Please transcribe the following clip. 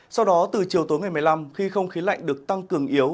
sau đó từ chiều tối ngày một mươi năm khi không khí lạnh được tăng cường yếu